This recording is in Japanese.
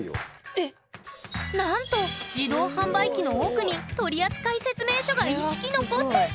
なんと自動販売機の奥に取扱説明書が一式残っていた！